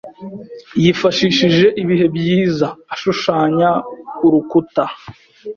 Yifashishije ibihe byiza ashushanya urukuta.